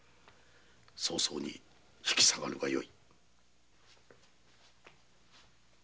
早々に引き下がるがよい。